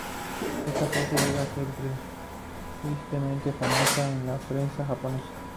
Esta frase llega a ser tristemente famosa en la prensa japonesa.